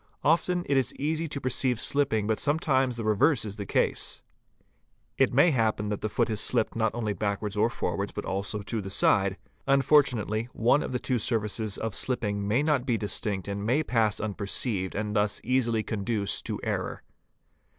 | Often it is easy to perceive slipping but sometimes the reverse is the case. It may happen that the foot has slipped not only backwards or ij forwards but also to the side; unfortunately, one of the two surfaces of 5 slipping may not be distinct and may pass unperceived, and thus easily a conduce to error.